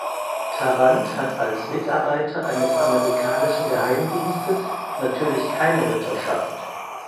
Tarrant hat als Mitarbeiter eines amerikanischen Geheimdienstes natürlich keine Ritterschaft.